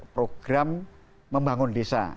program membangun desa